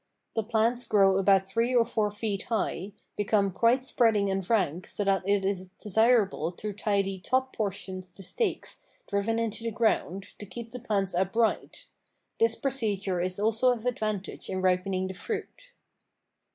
The plants grow about three or four feet high, become quite spreading and rank so that it is desirable to tie the top portions to stakes driven into the ground to keep the plants upright; this procedure is also of advantage in ripening the fruit.